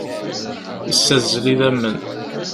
Issazzel idammen.